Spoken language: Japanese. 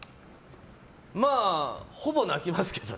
まあ、ほぼ泣きますけどね。